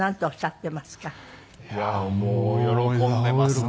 いやもう喜んでいますね。